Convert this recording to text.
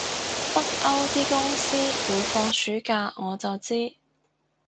北歐啲公司會放暑假我就知